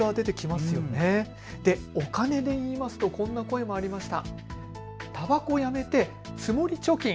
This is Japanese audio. お金でいいますとこんな声もありました。